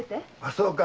そうか。